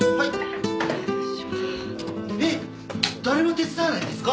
えっ誰も手伝わないんですか？